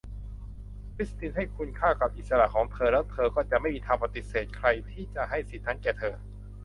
คริสทีนให้คุณค่ากับอิสระของเธอ แล้วเธอจะไม่มีทางปฏิเสธใครที่ให้สิทธิ์นั้นแก่เธอ